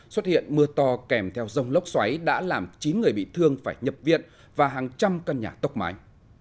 xuất hiện mưa to kèm theo rông lốc xoáy đã làm chín người bị thương phải nhập viện và hàng trăm căn nhà tốc mái